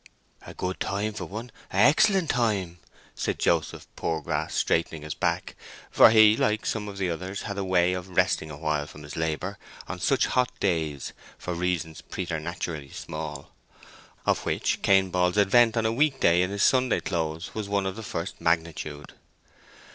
"A good time for one—a' excellent time," said Joseph Poorgrass, straightening his back; for he, like some of the others, had a way of resting a while from his labour on such hot days for reasons preternaturally small; of which Cain Ball's advent on a week day in his Sunday clothes was one of the first magnitude.